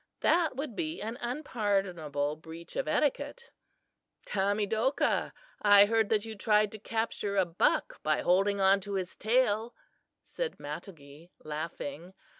That would be an unpardonable breach of etiquette. "Tamedokah, I heard that you tried to capture a buck by holding on to his tail," said Matogee, laughing.